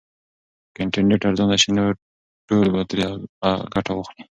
که انټرنیټ ارزانه سي نو ټول به ترې ګټه واخلي.